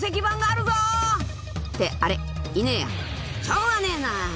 しょうがねえな。